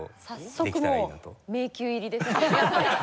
早速もう迷宮入りです。